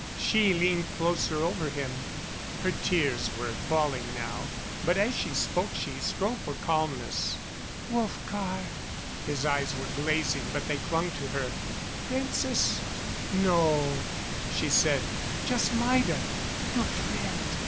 She leaned closer over him. Her tears were falling now, but as she spoke she strove for calmness. "Wolfgar " His eyes were glazing, but they dung to her. "Princess " "No," she said. "Just Maida your friend.